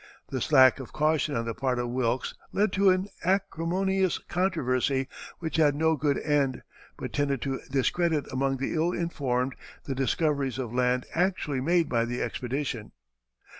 This lack of caution on the part of Wilkes led to an acrimonious controversy which had no good end, but tended to discredit among the ill informed the discoveries of land actually made by the expedition.